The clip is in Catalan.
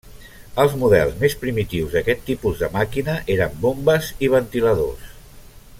Els models més primitius d'aquest tipus de màquina eren bombes i ventiladors.